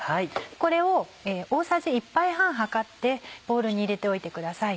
これを大さじ１杯半量ってボウルに入れておいてください。